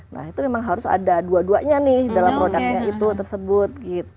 nah itu memang harus ada dua duanya nih dalam produknya itu tersebut